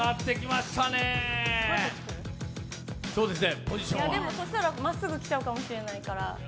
でもまっすぐきちゃうかもしれないから。